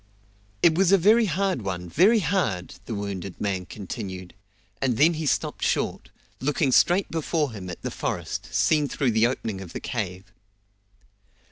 "It was a very hard one very hard!" the wounded man continued, and then he stopped short, looking straight before him at the forest, seen through the opening of the cave.